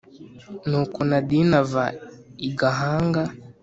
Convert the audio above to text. nuko nadine ava i gahanga,